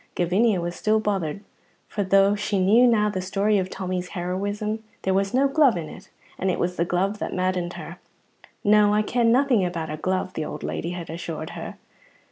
Gavinia was still bothered, for though she knew now the story of Tommy's heroism, there was no glove in it, and it was the glove that maddened her. "No, I ken nothing about a glove," the old lady had assured her.